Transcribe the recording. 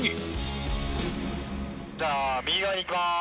じゃあ右側にいきます。